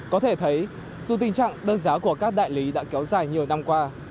có thể thấy dù tình trạng đơn giá của các đại lý đã kéo dài nhiều năm qua